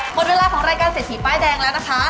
หมดเวลาของรายการเศรษฐีป้ายแดงแล้วนะคะ